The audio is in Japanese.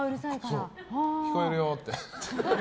聞こえるよって。